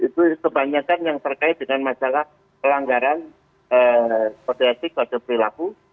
itu kebanyakan yang terkait dengan masalah pelanggaran kode etik kode perilaku